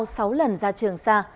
sau sáu lần ra trường xa